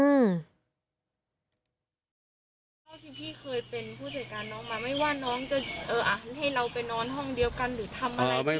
อื้อ